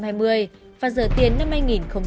giờ tiền năm hai nghìn hai mươi một